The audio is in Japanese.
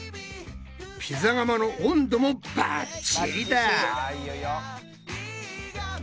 ピザ窯の温度もバッチリだ！